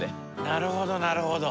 なるほどなるほど。